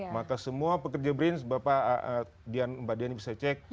maka semua pekerja green mbak dian bisa cek